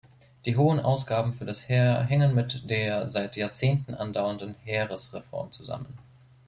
Die hohen Ausgaben für das Heer hingen mit der seit Jahrzehnten andauernden Heeresreform zusammen.